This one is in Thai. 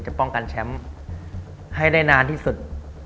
ป้องกันแชมป์ให้ได้นานที่สุด